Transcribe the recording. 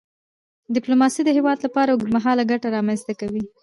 ډیپلوماسي د هیواد لپاره اوږدمهاله ګټه رامنځته کوي.